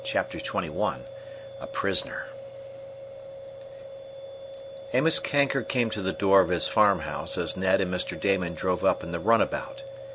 Chapter XXI A Prisoner Amos Kanker came to the door of his farmhouse as Ned and Mr. Damon drove up in the runabout.